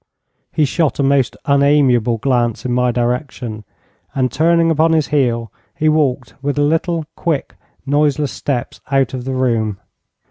He shot a most unamiable glance in my direction, and, turning upon his heel, he walked with little, quick, noiseless steps out of the room.